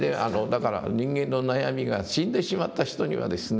だから人間の悩みが死んでしまった人にはですね